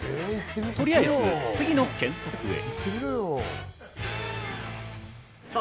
とりあえず、次の検索へ。